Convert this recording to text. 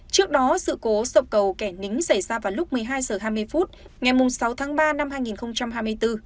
trước đó sự cố sập cầu kẻ nính xảy ra vào lúc một mươi hai h hai mươi phút ngày sáu tháng ba năm hai nghìn hai mươi bốn